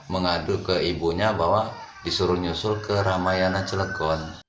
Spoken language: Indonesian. mengadu ke ibunya bahwa disuruh nyusul ke ramayana celegon